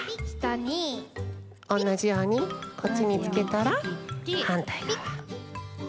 おんなじようにこっちにつけたらはんたいがわ。